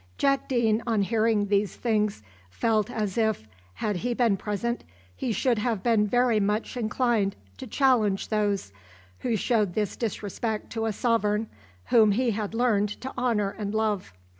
Jack Deane on hearing these things felt as if, had he been present, he should have been very much inclined to challenge those who showed this disrespect to a sovereign whom he had learned to honour and love.